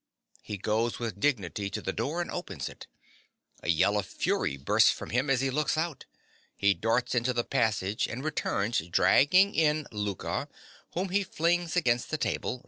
(_He goes with dignity to the door and opens it. A yell of fury bursts from him as he looks out. He darts into the passage, and returns dragging in Louka, whom he flings against the table, R.